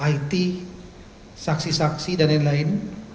it saksi saksi dan lain lain